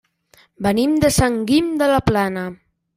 Venim de Sant Guim de la Plana.